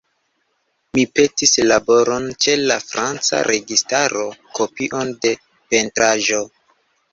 Mi petis laboron ĉe la franca registaro, kopion de pentraĵo.